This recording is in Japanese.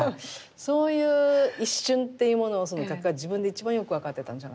そういう一瞬っていうものを画家は自分で一番よく分かってたんじゃないかなと思うんですね。